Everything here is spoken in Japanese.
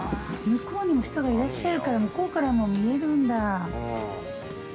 向こうにも人がいらっしゃるから向こうからも見えるんだ。